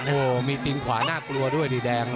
โหมีตีงขวาน่ากลัวด้วยดิแดง